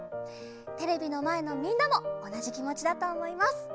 テレビのまえのみんなもおなじきもちだとおもいます。